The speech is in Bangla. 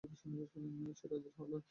সে রাজার হালে বাঁচতে পারে।